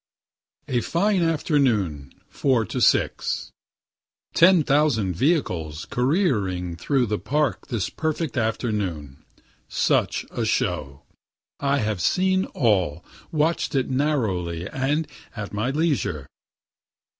A FINE AFTERNOON, 4 TO 6 Ten thousand vehicles careering through the Park this perfect afternoon. Such a show! and I have seen all watch'd it narrowly, and at my leisure.